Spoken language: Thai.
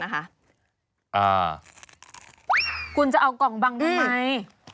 ไซส์ลำไย